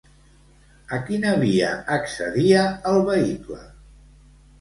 A quina via accedia, el vehicle?